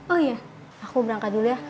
oh iya aku berangkat dulu ya